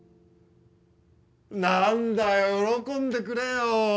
何だよ喜んでくれよ。